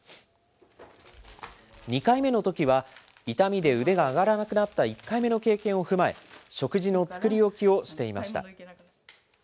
２回目のときは、痛みで腕が上がらなくなった１回目の経験を踏まえ、食事の作り置きをしていました。